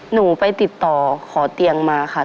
หนูไปติดต่อขอเตียงมาค่ะ